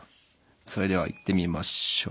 それではいってみましょう。